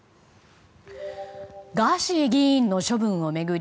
ガーシー議員の処分を巡り